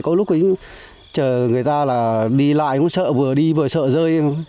có lúc chờ người ta đi lại cũng sợ vừa đi vừa sợ rơi